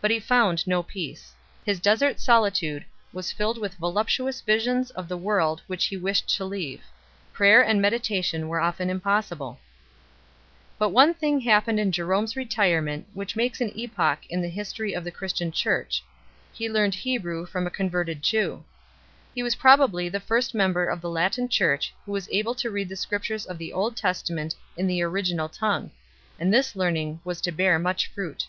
But he found no peace. His desert solitude was filled with voluptuous visions of the world which he wished to leave. Prayer and medita tion were often impossible 2 . But one thing happened in Jerome s retirement which makes an epoch in the history of the Christian Church; he learned Hebrew from a converted Jew 3 . He was pro bably the first member of the Latin Church who was able to read the Scriptures of the Old Testament in the original tongue; and this learning was to bear much fruit.